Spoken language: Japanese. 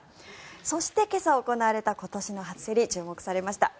そして今朝、行われた今年の初競り注目されました。